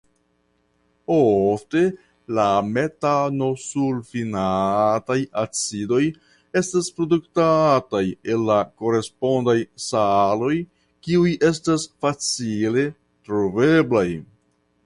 Ofte la metanosulfinataj acidoj estas produktataj el la korespondaj saloj kiuj estas facile troveblaj.